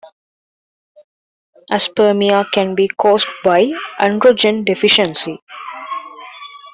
Aspermia can be caused by androgen deficiency.